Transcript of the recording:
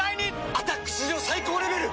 「アタック」史上最高レベル！